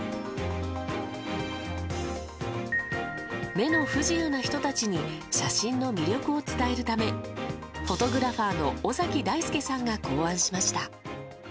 目の不自由な人たちに写真の魅力を伝えるためフォトグラファーの尾崎大輔さんが考案しました。